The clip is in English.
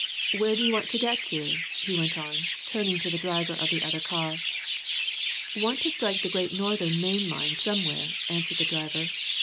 Where do you want to get to?" he went on, turning to the driver of the other car. "Want to strike the Great Northern main line somewhere," answered the driver.